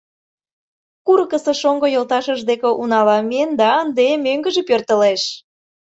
Курыкысо шоҥго йолташыж деке унала миен да ынде мӧҥгыжӧ пӧртылеш.